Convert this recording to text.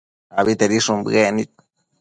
abitedishun bëec nid